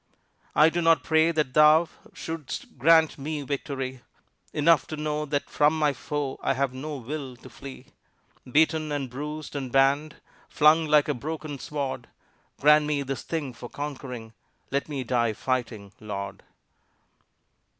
I do not pray that Thou Shouldst grant me victory; Enough to know that from my foe I have no will to flee. Beaten and bruised and banned, Flung like a broken sword, Grant me this thing for conquering Let me die fighting, Lord!